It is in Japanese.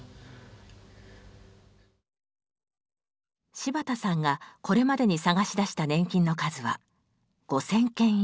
柴田さんがこれまでに探し出した年金の数は５，０００件以上。